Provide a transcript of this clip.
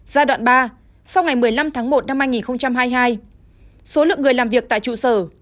giai đoạn ba sau ngày một mươi năm tháng một năm hai nghìn hai mươi hai số lượng người làm việc tại trụ sở